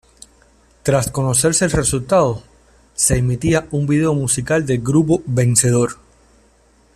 Tras conocerse el resultado, se emitía un vídeo musical del grupo vencedor.